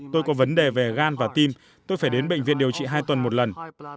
tôi có vấn đề về gan và tim tôi phải đến bệnh viện điều trị hai tuần một lần